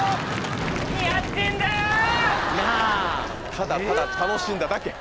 ただただ楽しんだだけ。